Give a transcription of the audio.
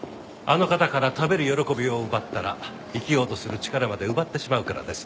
あの方から食べる喜びを奪ったら生きようとする力まで奪ってしまうからです。